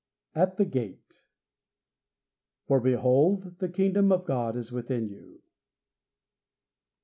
AT THE GATE "For behold, the kingdom of God is within you."